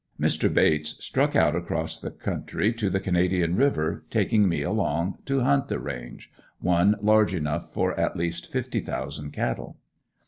Mr. Bates struck out across the country to the Canadian river, taking me along, to hunt the range one large enough for at least fifty thousand cattle.